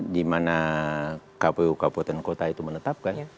di mana kpu kpu dan kota itu menetapkan